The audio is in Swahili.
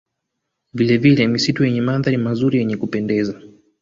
Vilevile misitu yenye mandhari mazuri yenye kupendeza